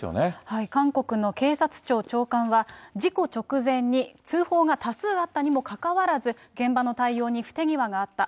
韓国の警察庁長官は、事故直前に通報が多数あったにもかかわらず、現場の対応に不手際があった。